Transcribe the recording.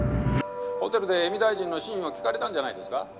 「ホテルで江見大臣の真意を聞かれたんじゃないですか？」